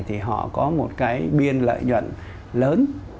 thì họ có một cái biên lợi nhuận lớn